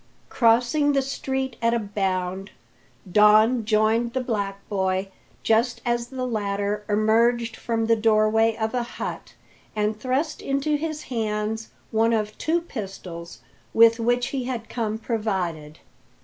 Crossing the street at a bound, Don joined the black boy, just as the latter emerged from the doorway of a hut, and thrust into his hands one of two pistols with which he had come provided.